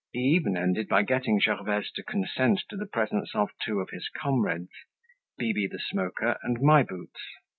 He even ended by getting Gervaise to consent to the presence of two of his comrades—Bibi the Smoker and My Boots.